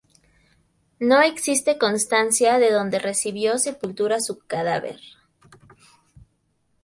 No existe constancia de dónde recibió sepultura su cadáver.